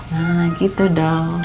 nah gitu dong